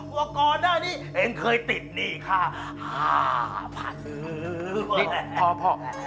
ว่าก่อนหน้านี้เองเคยติดหนี้ค่า๕๐๐๐บาท